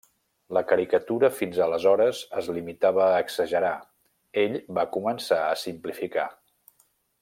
La caricatura fins aleshores es limitava a exagerar, ell va començar a simplificar.